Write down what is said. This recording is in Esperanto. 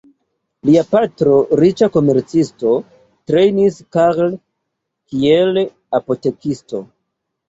Lia patro, riĉa komercisto, trejnis Carl kiel apotekisto.